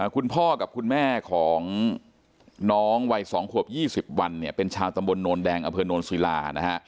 คุณพ่อกับคุณแม่ของน้องวัย๒ขวบ๒๐วันเป็นชาวตำบลโนรแดงอเภอโนรสุริลา